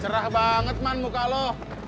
cerah banget man muka loh